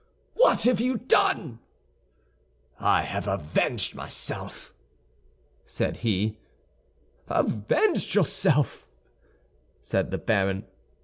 what have you done?" "I have avenged myself!" said he. "Avenged yourself," said the baron.